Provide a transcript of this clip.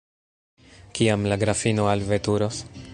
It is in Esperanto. Kiam la grafino alveturos?